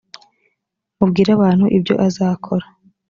mubwire abantu ibyo azakora